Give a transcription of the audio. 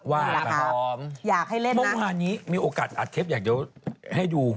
พร้อมอยากให้เล่นเมื่อวานนี้มีโอกาสอัดเทปอยากเดี๋ยวให้ดู